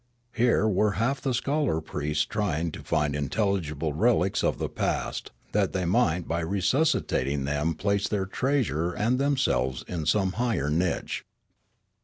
Here were half the scholar priests trying to find intelligible relics of the past, that they 284 Riallaro might by resuscitating them place their treasure and themselves in some higher niche.